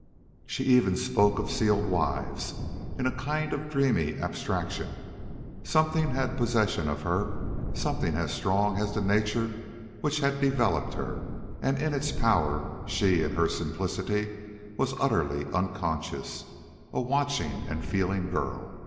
She even spoke of sealed wives in a kind of dreamy abstraction. Something had possession of her, something as strong as the nature which had developed her, and in its power she, in her simplicity, was utterly unconscious, a watching and feeling girl.